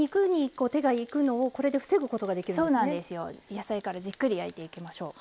野菜からじっくり焼いていきましょう。